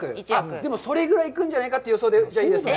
でもそれぐらい行くんじゃないかという予想でいいですね。